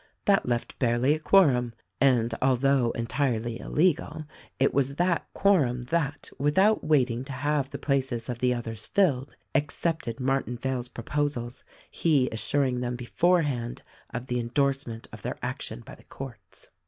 That left barely a quorum, (and although entirely illegal) it was that quorum that, without waiting to have the places of the others filled, accepted Martinvale's proposals — he assuring them beforehand of the endorsement of their action by the courts.